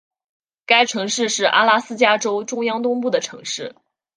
该城市是阿拉斯加州中央东部的城市。